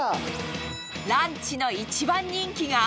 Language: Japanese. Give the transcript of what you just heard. ランチの一番人気が。